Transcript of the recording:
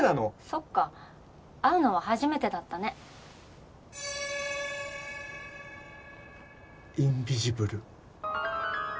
そっか会うのは初めてだったねインビジブル！？